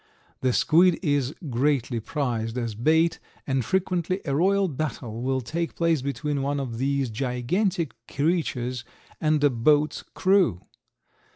The squid is greatly prized as bait and frequently a royal battle will take place between one of these gigantic creatures and a boat's crew.